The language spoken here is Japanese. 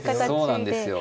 そうなんですよ